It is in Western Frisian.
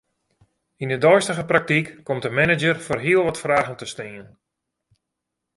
Yn 'e deistige praktyk komt de manager foar heel wat fragen te stean.